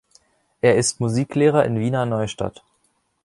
Er ist Musiklehrer in Wiener Neustadt.